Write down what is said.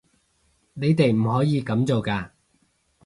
你哋唔可以噉做㗎